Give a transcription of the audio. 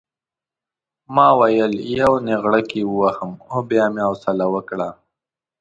ما ویل یو نېغړک یې ووهم خو بیا مې حوصله وکړه.